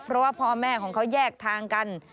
เพราะว่าพ่อแม่ของเขาแยกทางกัน